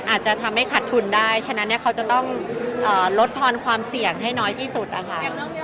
อาจจะทำให้ขัดทุนได้ฉะนั้นเนี่ยเขาจะต้องลดทอนความเสี่ยงให้น้อยที่สุดนะคะ